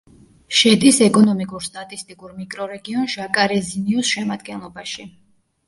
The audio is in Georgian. შედის ეკონომიკურ-სტატისტიკურ მიკრორეგიონ ჟაკარეზინიუს შემადგენლობაში.